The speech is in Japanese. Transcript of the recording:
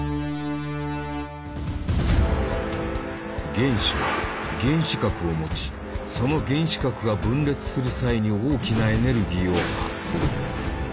原子は原子核を持ちその原子核が分裂する際に大きなエネルギーを発する。